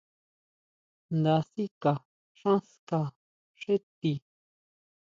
Nda sika xán ska xé tii.